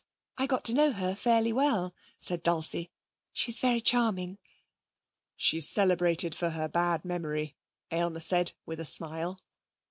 I got to know her fairly well,' said Dulcie. 'She's very charming.' 'She's celebrated for her bad memory,' Aylmer said, with a smile.